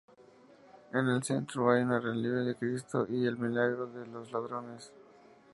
En el centro hay un relieve de Cristo y el milagro de los ladrones.